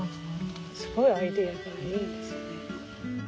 すごいアイデアがいいですね。